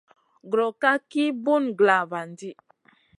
Gro ka ki bùn glavandi.